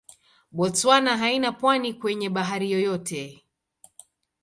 Botswana haina pwani kwenye bahari yoyote.